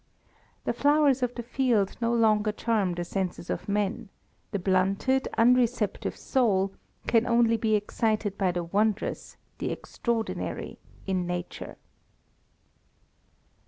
The flowers of the field no longer charm the senses of men; the blunted, unreceptive soul can only be excited by the wondrous, the extraordinary, in Nature.